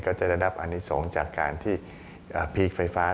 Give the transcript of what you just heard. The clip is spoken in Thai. ก็จะได้รับอนิสงฆ์จากการที่พีคไฟฟ้า